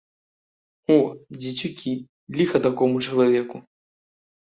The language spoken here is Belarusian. О, дзецюкі, ліха такому чалавеку!